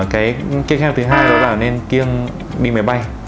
cái tiếp theo thứ hai đó là nên kiêng đi máy bay